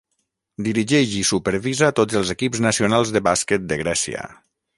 Dirigeix i supervisa tots els equips nacionals de bàsquet de Grècia.